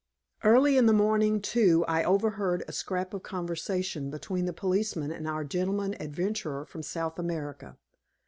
Early in the morning, too, I overheard a scrap of conversation between the policeman and our gentleman adventurer from South America.